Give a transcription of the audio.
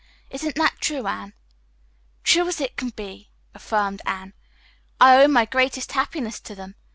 Isn't that true, Anne?" "True as can be," affirmed Anne. "I owe my greatest happiness to them.